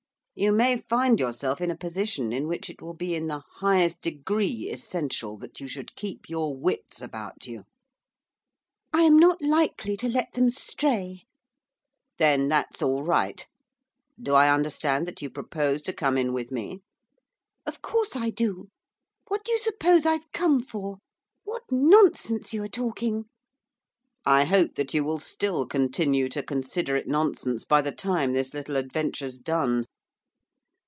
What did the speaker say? You may find yourself in a position in which it will be in the highest degree essential that you should keep your wits about you.' 'I am not likely to let them stray.' 'Then that's all right. Do I understand that you propose to come in with me?' 'Of course I do, what do you suppose I've come for? What nonsense you are talking.' 'I hope that you will still continue to consider it nonsense by the time this little adventure's done.